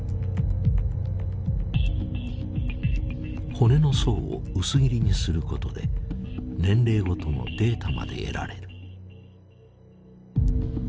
骨の層を薄切りにすることで年齢ごとのデータまで得られる。